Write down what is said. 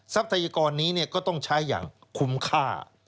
ทรัพยากรนี้ก็ต้องใช้อย่างคุ้มค่า